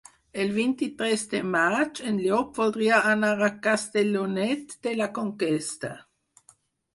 El vint-i-tres de maig en Llop voldria anar a Castellonet de la Conquesta.